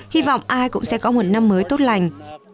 hy vọng ai cũng sẽ có một năm mới tốt lành